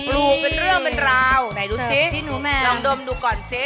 ลูกเป็นเรื่องเป็นราวไหนรู้สิลองดมดูก่อนสิ